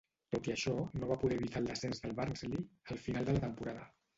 Tot i això, no va poder evitar el descens del Barnsley al final de la temporada.